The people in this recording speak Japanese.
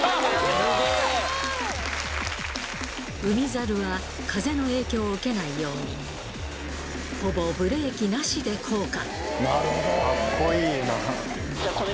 海猿は風の影響を受けないようにほぼブレーキなしで降下カッコいいな。